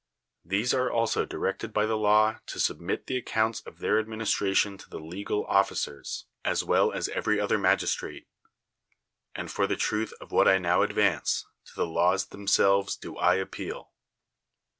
These are also directed by the law to submit the accounts of their adminis tration to the legal oiificers, as well as every other magistrate. And for the truth of what I now advance, to the laws themselves do I ap peal.